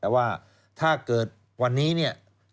แต่ว่าถ้าเกิดวันนี้เนี่ย